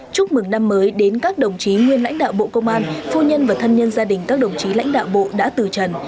chúc mừng năm mới đến các đồng chí nguyên lãnh đạo bộ công an phu nhân và thân nhân gia đình các đồng chí lãnh đạo bộ đã từ trần